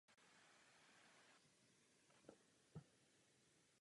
Předpisový rámec by proto měl být dále zlepšován.